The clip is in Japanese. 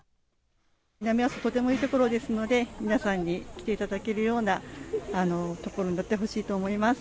南阿蘇はとてもいい所ですので、皆さんに来ていただけるような所になってほしいと思います。